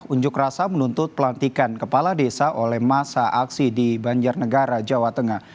unjuk rasa menuntut pelantikan kepala desa oleh masa aksi di banjarnegara jawa tengah